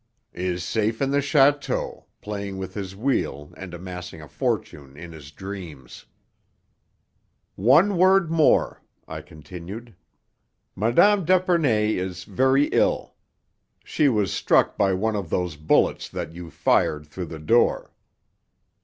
"Is safe in the château, playing with his wheel and amassing a fortune in his dreams." "One word more," I continued. "Mme. d'Epernay is very ill. She was struck by one of those bullets that you fired through the door.